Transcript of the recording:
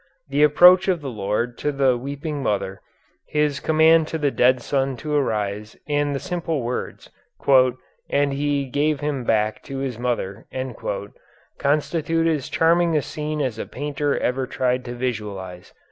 The approach of the Lord to the weeping mother, His command to the dead son to arise, and the simple words, "and he gave him back to his mother," constitute as charming a scene as a painter ever tried to visualize.